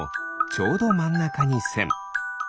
ちょうどまんなかにせん。